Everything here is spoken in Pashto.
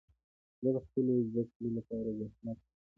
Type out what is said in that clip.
زه د خپلو زده کړو لپاره زحمت کښ یم.